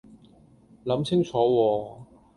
諗清楚喎